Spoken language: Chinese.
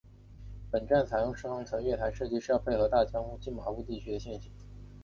本站采用双层月台设计是要配合大江户线近麻布地区的线形。